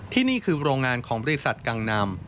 นี่คือโรงงานของบริษัทกังนำ